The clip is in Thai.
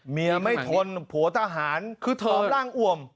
เมียไม่ทนผัวทหารคือเธอร่างอ่วม